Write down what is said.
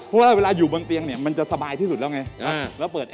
เพราะว่าเวลาอยู่บนเตียงเนี่ยมันจะสบายที่สุดแล้วไง